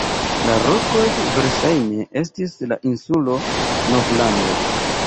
La rokoj verŝajne estis la insulo Novlando.